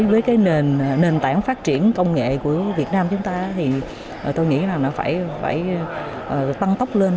với cái nền tảng phát triển công nghệ của việt nam chúng ta thì tôi nghĩ là nó phải tăng tốc lên